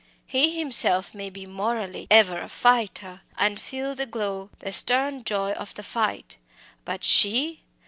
He himself may be morally "ever a fighter," and feel the glow, the stern joy of the fight. But she!